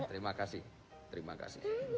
terima kasih terima kasih